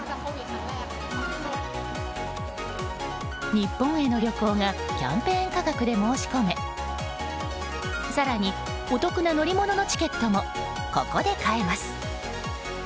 日本への旅行がキャンペーン価格で申し込め更に、お得な乗り物のチケットもここで買えます。